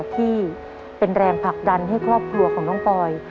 ที่เป็นแรงผลักดันให้ครอบครัวของน้องปอย